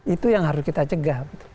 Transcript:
itu yang harus kita cegah